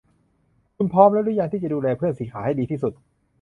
คุณพร้อมแล้วหรือยังที่จะดูแลเพื่อนสี่ขาให้ดีที่สุด